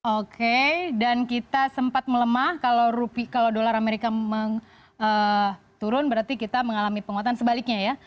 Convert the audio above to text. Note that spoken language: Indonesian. oke dan kita sempat melemah kalau dolar amerika turun berarti kita mengalami penguatan sebaliknya ya